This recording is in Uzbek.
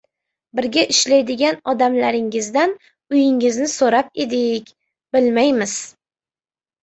— Birga ishlaydigan odamlaringizdan uyingizni so‘rab edik, bilmaymiz.